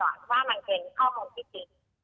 ว่ามันเป็นข้อมูลที่จริง